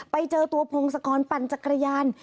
ไปเจอตัวพงศกรปั่นจักรยาน